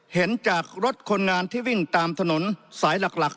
เห็นจากรถคนงานที่วิ่งตามถนนสายหลัก